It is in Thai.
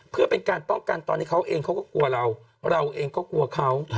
เพื่อเป็นการป้องกันตอนนี้เขาเองเขาก็กลัวเราเราเองก็กลัวเขา